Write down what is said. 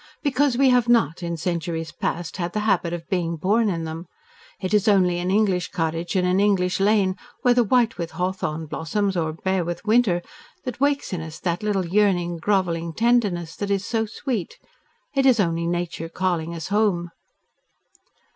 Because we have not, in centuries past, had the habit of being born in them. It is only an English cottage and an English lane, whether white with hawthorn blossoms or bare with winter, that wakes in us that little yearning, grovelling tenderness that is so sweet. It is only nature calling us home."